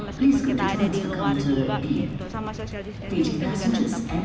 meskipun kita ada di luar juga gitu sama sosialisasi juga tetap